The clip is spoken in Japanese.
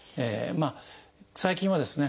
最近はですね